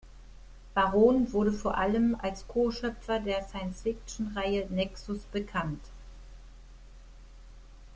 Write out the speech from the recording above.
Baron wurde vor allem als Co-Schöpfer der Science-Fiction-Reihe "Nexus" bekannt.